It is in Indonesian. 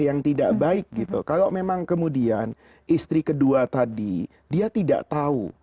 yang tidak baik gitu kalau memang kemudian istri kedua tadi dia tidak tahu